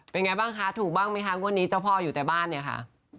เป็นไงบ้างคะถูกบ้างไหมคะงวดนี้เจ้าพ่ออยู่แต่บ้านเนี่ยค่ะ